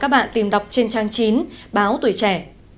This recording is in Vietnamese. bạn tìm đọc trên trang chín báo tuổi trẻ